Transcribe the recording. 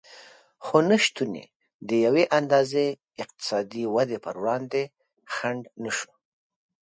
خو نشتون یې د یوې اندازې اقتصادي ودې پر وړاندې خنډ نه شو